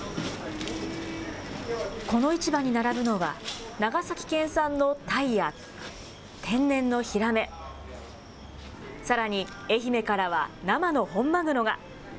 この市場に並ぶのは、長崎県産のタイや、天然のヒラメ、さらに、愛媛からは生の本マグロが。